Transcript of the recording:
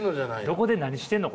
どこで何してんの？